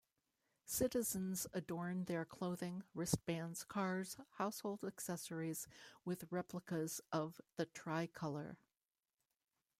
Citizens adorn their clothing, wristbands, cars, household accessories with replicas of the tri-colour.